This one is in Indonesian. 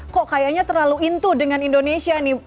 kok kayaknya terlalu intu dengan indonesia nih